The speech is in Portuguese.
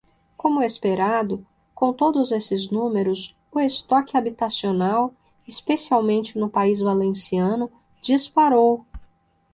Como esperado, com todos esses números, o estoque habitacional, especialmente no país valenciano, disparou.